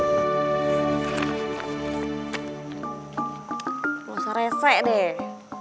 gak usah resek deh